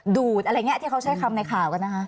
ดูดอะไรอย่างนี้ที่เขาใช้คำในข่าวกันนะคะ